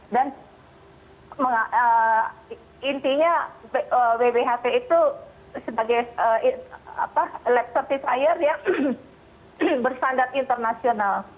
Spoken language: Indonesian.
dan intinya wwhp itu sebagai lab certifier yang bersandar internasional